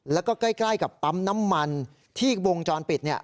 แล้วก็ใกล้กับปั๊มน้ำมันที่วงจรปิดเนี่ย